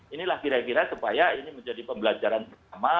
inilah kira kira supaya ini menjadi pembelajaran pertama